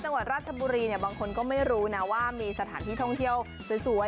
จังหวัดราชบุรีเนี่ยบางคนก็ไม่รู้นะว่ามีสถานที่ท่องเที่ยวสวย